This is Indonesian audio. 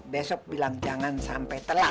besok bilang jangan sampai telat